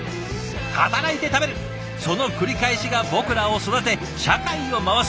働いて食べるその繰り返しが僕らを育て社会を回す！